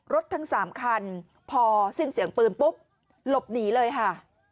ทั้ง๓คันพอสิ้นเสียงปืนปุ๊บหลบหนีเลยค่ะ